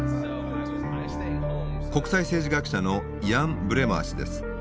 国際政治学者のイアン・ブレマー氏です。